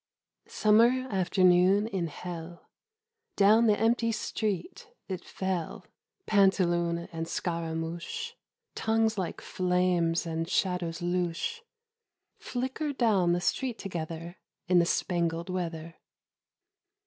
SUMMER afternoon in Hell ! Down the empty street it fell Pantaloon and Scaramouche — Tongues like flames and shadows louche Flickered down the street together In the spangled weather.